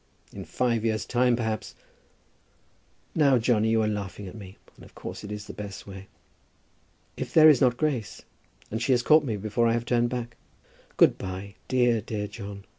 In five years time perhaps, " "Now, Johnny, you are laughing at me. And of course it is the best way. If there is not Grace, and she has caught me before I have turned back. Good by, dear, dear John.